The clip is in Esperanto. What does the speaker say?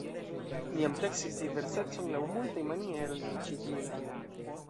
Ni ampleksis diversecon laŭ multaj manieroj en ĉi tiu lando.